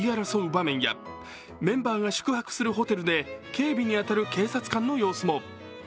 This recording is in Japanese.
場面やメンバーが宿泊するホテルで警備に当たる警察官の様子も。